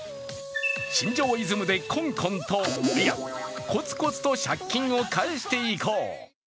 新庄イズムでコンコンと、いや、コツコツと借金を返していこう。